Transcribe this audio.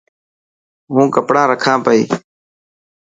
هون ڪپڙا رکان پئي.